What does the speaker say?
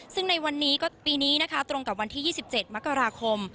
ซึ่งในวันนี้ปีนี้นะคะตรงกับวันที่๒๗มกราคม